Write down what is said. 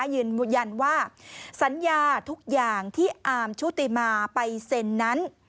ยืนยันว่าสัญญาทุกอย่างที่อาร์มชุติมาไปเซ็นนั้น